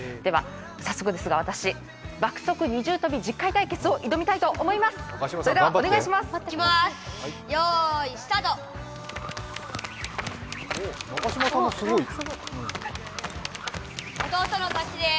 早速ですが私、爆速二重跳びび１０回対決を挑みたいと思います。